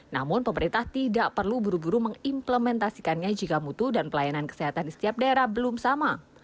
namun pemerintah tidak perlu buru buru mengimplementasikannya jika mutu dan pelayanan kesehatan di setiap daerah belum sama